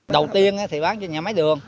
đầu tiên thì bán cho nhà máy đường